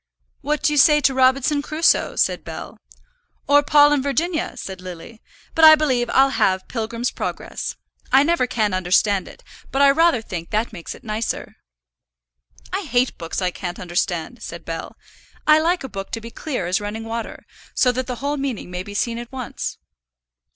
"What do you say to Robinson Crusoe?" said Bell. "Or Paul and Virginia?" said Lily. "But I believe I'll have Pilgrim's Progress. I never can understand it, but I rather think that makes it nicer." "I hate books I can't understand," said Bell. "I like a book to be clear as running water, so that the whole meaning may be seen at once."